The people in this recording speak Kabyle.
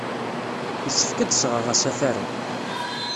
Yessefk ad d-sɣeɣ asafar-a.